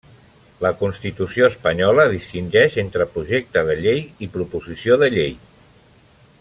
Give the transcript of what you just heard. La Constitució espanyola distingeix entre projecte de llei i proposició de llei.